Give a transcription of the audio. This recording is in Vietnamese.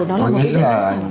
tôi nghĩ là